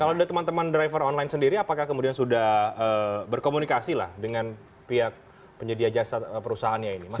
kalau dari teman teman driver online sendiri apakah kemudian sudah berkomunikasi lah dengan pihak penyedia jasa perusahaannya ini